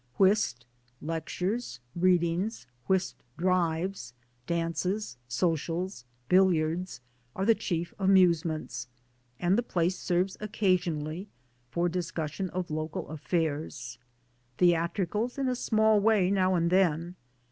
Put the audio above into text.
Whist, lectures, readings, whist drives, dances, socials, billiards, *are the chief amusements, and the place serves occasionally for discussion of local 1 affairs. Theatricals, in a small way, now and then.